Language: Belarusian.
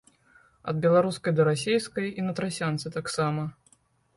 Ад беларускай да расейскай, і на трасянцы таксама.